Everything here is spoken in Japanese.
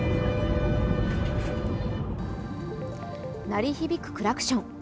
鳴り響くクラクション。